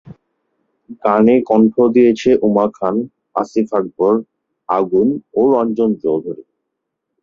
গানে কণ্ঠ দিয়েছেন উমা খান, আসিফ আকবর, আগুন, ও রঞ্জন চৌধুরী।